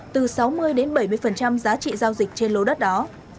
từ sáu mươi đến bảy mươi giá trị giao dịch trên lô đất đó